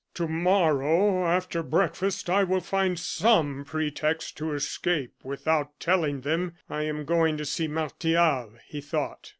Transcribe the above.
"To morrow, after breakfast, I will find some pretext to escape, without telling them I am going to see Martial," he thought.